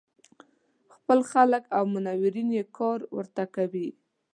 خپل خلک او منورین یې کار ورته کوي.